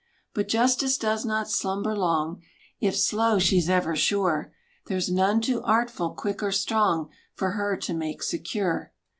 But Justice does not slumber long; If slow, she's ever sure. There's none too artful, quick, or strong For her to make secure!